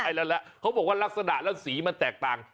ใช่แล้วแหละเขาบอกว่าลักษณะแล้วสีมันแตกต่าง